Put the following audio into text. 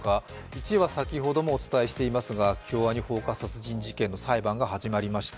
１位は先ほどもお伝えしていますが、京アニ放火殺人事件の裁判が始まりました。